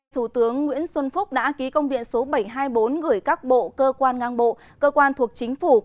thủ tướng nguyễn xuân phúc đã ký công điện số bảy trăm hai mươi bốn gửi các bộ cơ quan ngang bộ cơ quan thuộc chính phủ